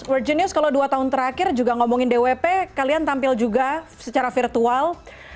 world genius kalau dua tahun terakhir juga ngomongin dwp kalian tampil juga secara virtual